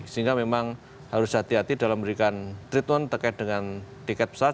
sehingga memang harus hati hati dalam memberikan treatment terkait dengan tiket pesawat